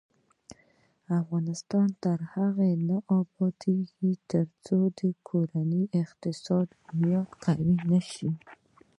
افغانستان تر هغو نه ابادیږي، ترڅو د کورنۍ اقتصادي بنیادي قوي نشي.